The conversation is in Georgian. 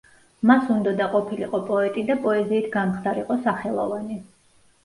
მას უნდოდა ყოფილიყო პოეტი და პოეზიით გამხდარიყო სახელოვანი.